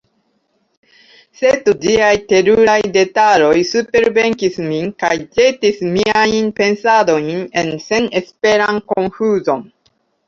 Sed ĝiaj teruraj detaloj supervenkis min kaj ĵetis miajn pensadojn en senesperan konfuzon.